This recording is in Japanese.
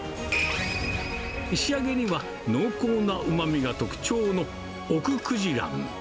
仕上げには、濃厚なうまみが特徴の奥久慈卵。